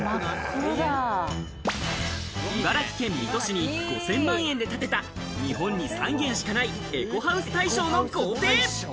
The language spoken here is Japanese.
茨城県水戸市に５０００万円で建てた、日本に３軒しかないエコハウス大賞の豪邸。